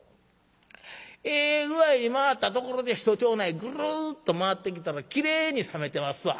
ええ具合に回ったところで一町内ぐるっと回ってきたらきれいに冷めてますわ。